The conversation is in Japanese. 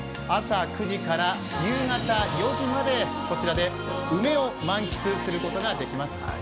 朝９時から夕方４時まで、こちらで梅を満喫することができます。